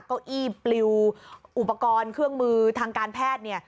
เก้าอี้ปลิวอุปกรณ์เครื่องมือทางการแพทย์เนี่ย